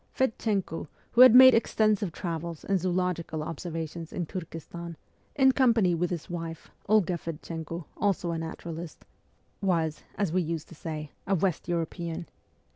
Fedchenko, who had made extensive travels and zoological observations in Turkestan in company with his wife, Olga Fedchenko, also a naturalist was, as 10 MEMOIRS OF A REVOLUTIONIST we used to say, a 'West European.'